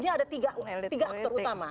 dia ada tiga aktor utama